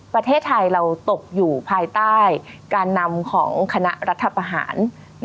ประเทศไทยเราตกอยู่ภายใต้การนำของคณะรัฐประหาร